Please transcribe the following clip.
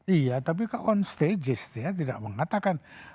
iya tapi on stagis ya tidak mengatakan